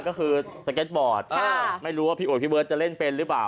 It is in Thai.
ก็คือสเก็ตบอร์ดไม่รู้ว่าพี่โอดพี่เบิร์ตจะเล่นเป็นหรือเปล่า